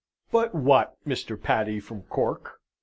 "But what, Mr. Paddy from Cork?"